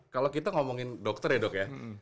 kalau kita ngomongin dokter ya dok ya